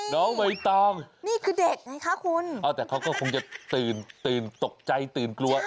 น้องใบตองนี่คือเด็กไงคะคุณเอาแต่เขาก็คงจะตื่นตื่นตกใจตื่นกลัว